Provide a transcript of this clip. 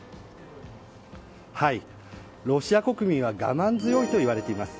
ロシア国民は我慢強いといわれています。